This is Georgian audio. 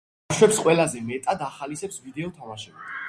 ბავშვებს ყველაზე მეტად ახალისებს ვიდეო თამაშები.